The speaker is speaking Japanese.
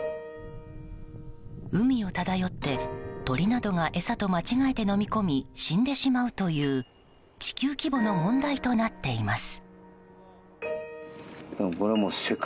海を漂って鳥などが餌と間違えて飲み込み死んでしまうという地球規模の問題となっています。